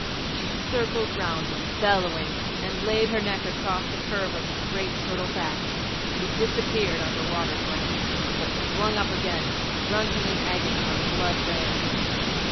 She circled round him bellowing, and laid her neck across the curve of his great turtle back, and he disappeared under water for an instant, but flung up again, grunting in agony while the blood ran.